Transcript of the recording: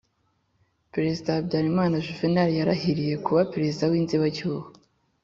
Perezida Habyarimana Juvenal yarahiriye kuba Perezida w’inzabibacyuho,